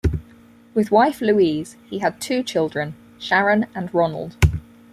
With wife Louise, he had two children, Sharon and Ronald.